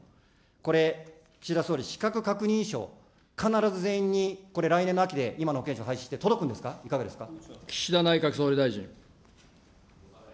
これ、岸田総理、資格確認書、必ず全員にこれ、来年の秋で今の保険証、廃止して届くんですか、いかがですか。